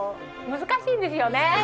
難しいんですよね。